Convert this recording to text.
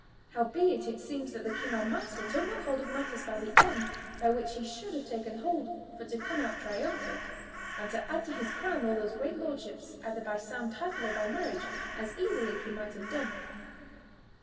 ... Howbeit it seems that the king our master took not hold of matters by the end by which he should have taken hold for to come out triumphant, and to add to his crown all those great lordships, either by sound title or by marriage, as easily he might have done."